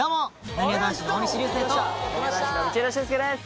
なにわ男子の道枝駿佑です。